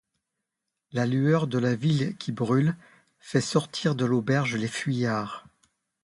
La lueur de la ville qui brûle fait sortir de l’auberge les fuyards.